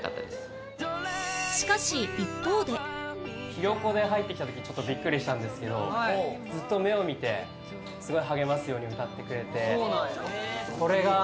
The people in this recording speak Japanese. ひよこで入ってきた時ちょっとビックリしたんですけどずっと目を見てすごい励ますように歌ってくれて。